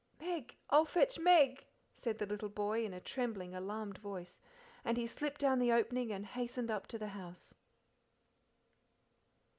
"Meg I'll fetch Meg," said the little boy in a trembling, alarmed voice, and he slipped down the opening and hastened up to the house.